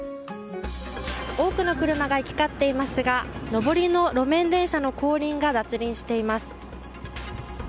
多くの車が行き交っていますが上りの路面電車の後輪が脱輪しています。